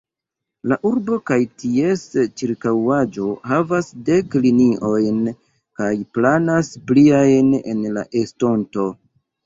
La urbo kaj ties ĉirkaŭaĵo havas dek liniojn kaj planas pliajn en la estonto.